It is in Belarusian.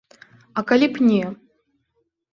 А калі б не.